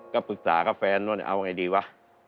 ก็ปรึกษากับแฟนว่าเอาไงดีวะ